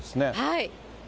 はい。